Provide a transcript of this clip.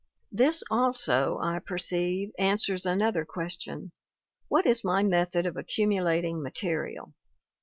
"This also, I perceive, answers another question: what is my method of accumulating material?